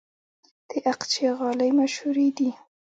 د اقچې غالۍ مشهورې دي